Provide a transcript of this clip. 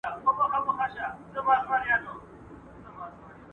هغه سړی له خپلي ستونزي سره مخامخ سوی دی.